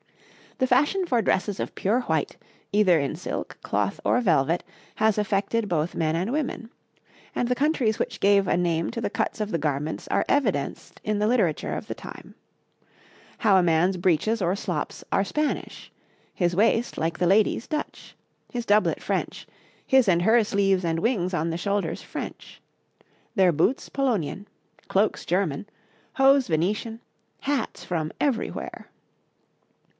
The fashion for dresses of pure white, either in silk, cloth, or velvet has affected both men and women; and the countries which gave a name to the cuts of the garments are evidenced in the literature of the time. How a man's breeches or slops are Spanish; his waist, like the lady's, Dutch; his doublet French; his and her sleeves and wings on the shoulders French; their boots Polonian, cloaks German, hose Venetian, hats from everywhere.